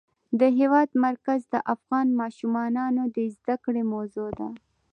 د هېواد مرکز د افغان ماشومانو د زده کړې موضوع ده.